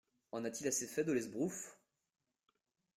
En a-t-il assez fait de l'esbroufe !